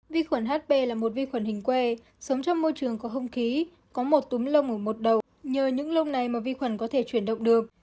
vi khuẩn hp là một vi khuẩn hình quê sống trong môi trường có hung khí có một túi lông ở một đầu nhờ những lông này mà vi khuẩn có thể chuyển động được